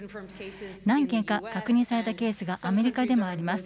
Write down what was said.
何件か確認されたケースがアメリカでもあります。